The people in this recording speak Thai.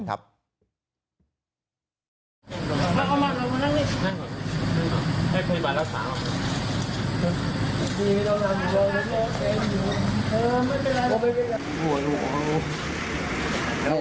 หัวหัว